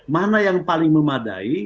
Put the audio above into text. mana yang paling memadai